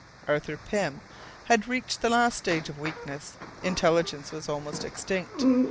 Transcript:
Arthur Pym had reached the last stage of weakness. Intelligence was almost extinct.